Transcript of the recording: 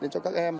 cho các em